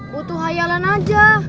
butuh khayalan aja